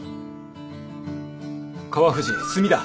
川藤墨だ。